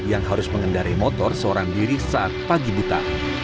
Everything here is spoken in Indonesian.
yang harus mengendari motor seorang diri saat pagi buta